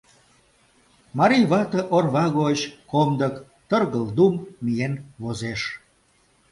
Марий вате орва гоч комдык тыргылдум! миен возеш.